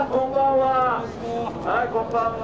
はいこんばんは。